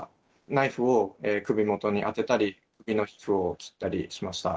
ナイフを首元に当てたり、首の皮膚を切ったりしました。